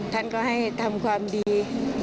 ท่านก็ให้ทำความดี